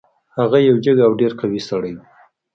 هغه یو جګ او ډیر قوي سړی و.